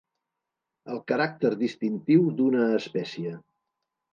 El caràcter distintiu d'una espècie.